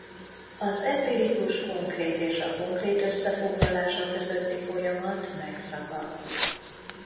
Az empirikus konkrét és a konkrét összefoglalása közötti folyamat megszakadt.